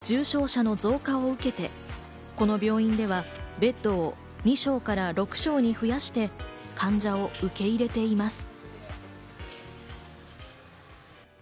重症者の増加を受けて、この病院ではベッドを２床から６床に増やして患者を受け入れています。